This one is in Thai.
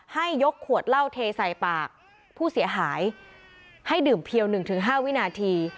ให้ยกขวดเหล้าเทใส่ปากผู้เสียหายให้ดื่มเพียว๑๕วินาที